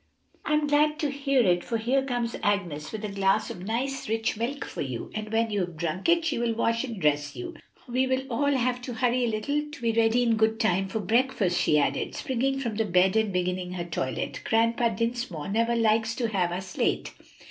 "I'm glad to hear it, for here comes Agnes with a glass of nice rich milk for you. And when you have drunk it she will wash and dress you. We will all have to hurry a little to be ready in good time for breakfast," she added, springing from the bed and beginning her toilet. "Grandpa Dinsmore never likes to have us late."